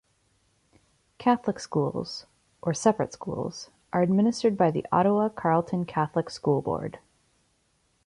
Catholic schools, or "separate schools", are administered by the Ottawa-Carleton Catholic School Board.